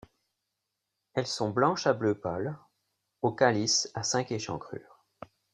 Elles sont blanches à bleu-pâle, au calice à cinq échancrures.